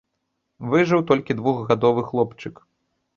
Выжыў толькі двухгадовы хлопчык.